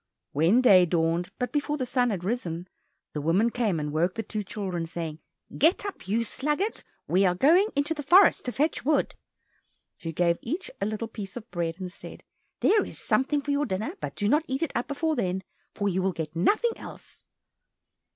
When day dawned, but before the sun had risen, the woman came and awoke the two children, saying "Get up, you sluggards! we are going into the forest to fetch wood." She gave each a little piece of bread, and said, "There is something for your dinner, but do not eat it up before then, for you will get nothing else."